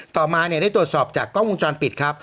ต่อมาเนี่ยได้ตรวจสอบจากกล้องวงจรปิดครับ